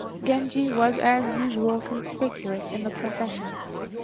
Genji was as usual conspicuous in the procession.